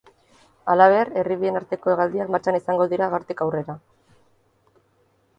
Halaber, herri bien arteko hegaldiak martxan izango dira gaurtik aurrera.